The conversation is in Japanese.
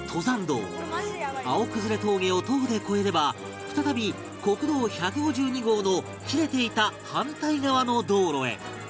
青崩峠を徒歩で越えれば再び国道１５２号の切れていた反対側の道路へ